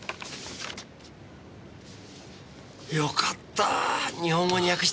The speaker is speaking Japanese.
よかった日本語に訳してある。